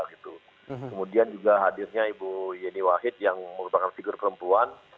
kemudian juga hadirnya ibu yeni wahid yang merupakan figur perempuan